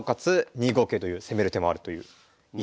２五桂という攻める手もあるという。